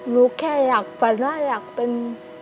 ลูกแค่อยากฝันว่าอยากเป็น